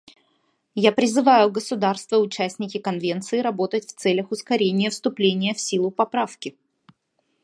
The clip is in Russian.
Я призываю государства — участники Конвенции работать в целях ускорения вступления в силу поправки.